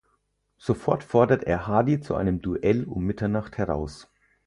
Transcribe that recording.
Sofort fordert er Hardy zu einem Duell um Mitternacht heraus.